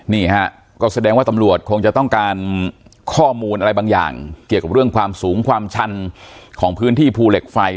นี่ฮะก็แสดงว่าตำรวจคงจะต้องการข้อมูลอะไรบางอย่างเกี่ยวกับเรื่องความสูงความชันของพื้นที่ภูเหล็กไฟ